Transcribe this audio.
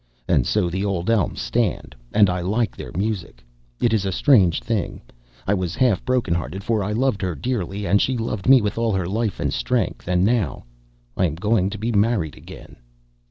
And so the old elms stand, and I like their music. It is a strange thing; I was half broken hearted, for I loved her dearly, and she loved me with all her life and strength, and now—I am going to be married again.